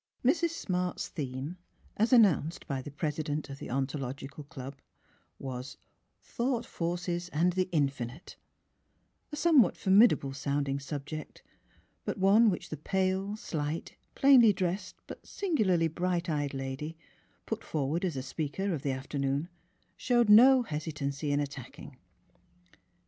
Mrs. Smart's theme, as announced by the President of the Ontological Club, was Thought Forces and the Infi nite, a somewhat formidable sounding subject, but one which the pale, slight, plainly dressed but singularly bright eyed lady, put forward as the speaker of the afternoon, showed no hesitancy in attack ing.